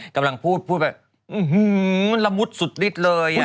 กำลังพูดพูดไปอื้อหือละมุดสุดลิดเลย